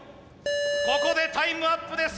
ここでタイムアップです。